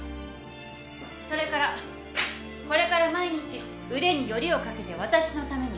それからこれから毎日腕によりをかけて私のために料理を作ること。